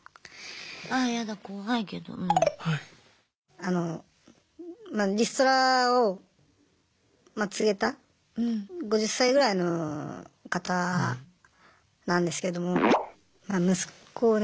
あのリストラを告げた５０歳ぐらいの方なんですけどもまあ息子をね